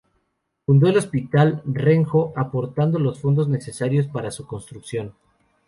Fundó el Hospital de Rengo, aportando los fondos necesarios para su construcción.